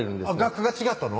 学区が違ったの？